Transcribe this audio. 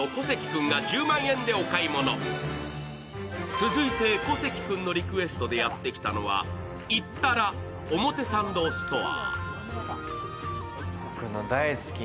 続いて、小関君のリクエストでやってきたのはｉｉｔｔａｌａ表参道ストア。